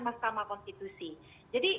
mahkamah konstitusi jadi